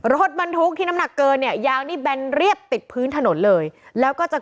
รถบรรทุกที่น้ำหนักเกินเนี่ยยางนี่แบนเรียบติดพื้นถนนเลยแล้วก็จะ